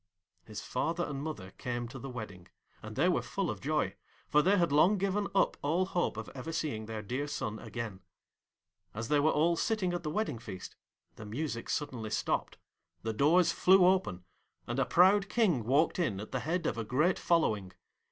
His father and mother came to the wedding, and they were full of joy, for they had long given up all hope of ever seeing their dear son again. As they were all sitting at the wedding feast, the music suddenly stopped, the doors flew open, and a proud King walked in at the head of a great following.